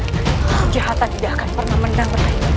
kejahatan tidak akan pernah mendang rai